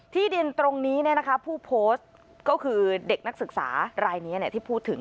ที่ดินตรงนี้เนี่ยนะคะผู้โพสต์ก็คือเด็กนักศึกษารายนี้เนี่ยที่พูดถึง